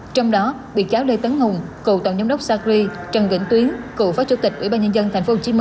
trong đó bị cáo lê tấn hùng cựu tổng giám đốc sacri trần vĩnh tuyến cựu phó chủ tịch ủy ban nhân dân tp hcm